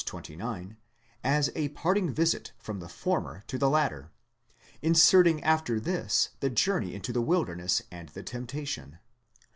29) as a part ing visit from the former to the latter: inserting after this the journey into the wilderness and the temptation.